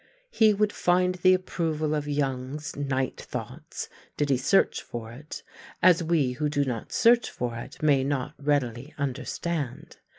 He would find the approval of Young's "Night Thoughts" did he search for it, as we who do not search for it may not readily understand.